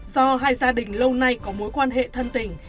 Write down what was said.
do hai gia đình lâu nay có mối quan hệ thân tình